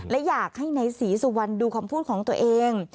และอยากให้นายศรีสุวรรณดูคำพูดของตัวเอง